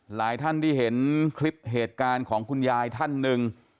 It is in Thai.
หลายท่านที่เห็นคลิปเหตุการณ์ของคุณยายท่านหนึ่ง